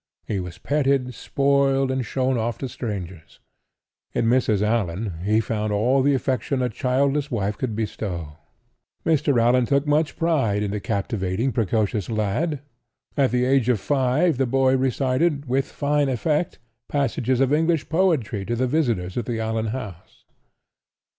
He was petted, spoiled and shown off to strangers. In Mrs. Allan he found all the affection a childless wife could bestow. Mr. Allan took much pride in the captivating, precocious lad. At the age of five the boy recited, with fine effect, passages of English poetry to the visitors at the Allan house.